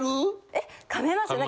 えっかめますよ。